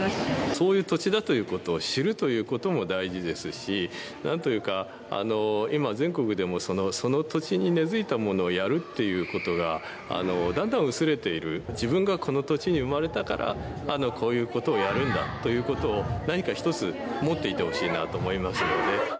そういう土地だということを知るということも大事ですし何というか今、全国でもその土地に根づいたものをやるということがだんだん薄れている自分がこの土地に生まれたからこういうことをやるんだということを何か一つ持っていてほしいなと思いますので。